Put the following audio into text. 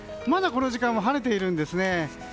まだ、この時間は晴れているんですね。